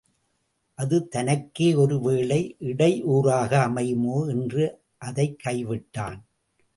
அது தனக்கே ஒரு வேளை இடையூறாக அமையுமோ என்று அதைக் கைவிட்டான்.